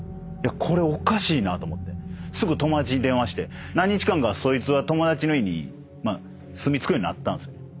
これおかしいなと思ってすぐ友達に電話して何日間かそいつは友達の家に住み着くようになったんすよ。